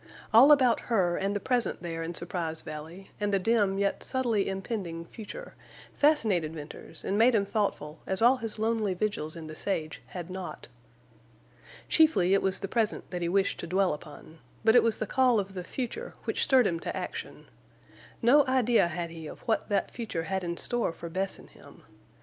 All about her and the present there in Surprise Valley, and the dim yet subtly impending future, fascinated Venters and made him thoughtful as all his lonely vigils in the sage had not. Chiefly it was the present that he wished to dwell upon; but it was the call of the future which stirred him to action. No idea had he of what that future had in store for Bess and him.